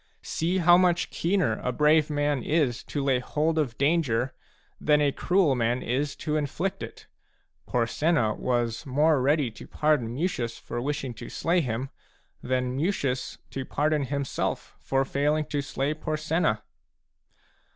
See how much keener a brave man is to lay hold of danger than a cruel man is to inflict it : Porsenna was more ready to pardon Mucius for wish ing to slay him than Mucius to pardon himself for failing to slay Porsenna